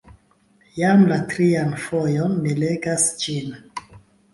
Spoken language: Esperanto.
Jam la trian fojon mi legas ĝin.